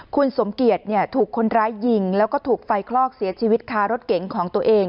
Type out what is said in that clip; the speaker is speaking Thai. คุณสมเกียจถูกคนร้ายยิงแล้วก็ถูกไฟคลอกเสียชีวิตคารถเก๋งของตัวเอง